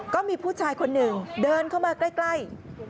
ก็มีผู้ชายคนหนึ่งเดินเข้ามาใกล้